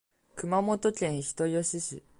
熊本県人吉市